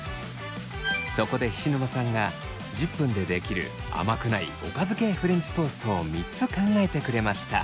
そこで菱沼さんが１０分でできる甘くないおかず系フレンチトーストを３つ考えてくれました。